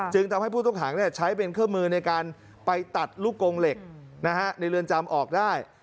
ทำให้ผู้ต้องหาใช้เป็นเครื่องมือในการไปตัดลูกกงเหล็กในเรือนจำออกได้